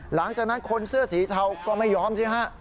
หลังจากนั้นคนเสื้อสีเทาก็ไม่ยอมสิฮะ